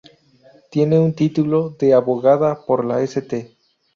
Tiene un título de abogada por la St.